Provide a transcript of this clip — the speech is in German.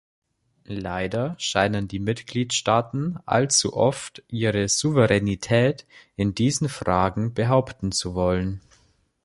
Leider scheinen die Mitgliedstaaten allzu oft ihre Souveränität in diesen Fragen behaupten zu wollen.